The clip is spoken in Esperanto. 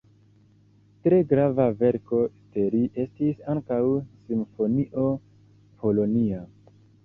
Tre grava verko de li estis ankaŭ simfonio "Polonia".